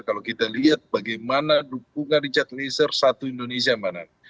kalau kita lihat bagaimana dukungan richard eliezer satu indonesia mbak nana